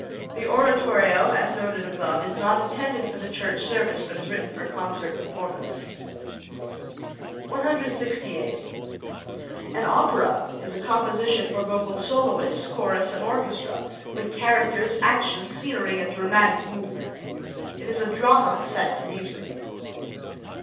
The oratorio, as noted above, is not intended for the church service, but is written for concert performance. 168. An opera is a composition for vocal soloists, chorus, and orchestra, with characters, action, scenery, and dramatic movement. It is a drama set to music.